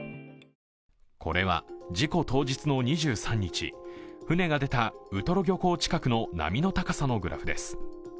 これは、事故当日の２３日船が出たウトロ漁港近くの波の高さのグラフです。